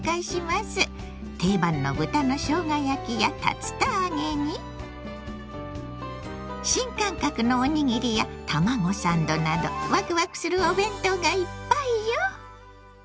定番の豚のしょうが焼きや竜田揚げに新感覚のおにぎりや卵サンドなどわくわくするお弁当がいっぱいよ！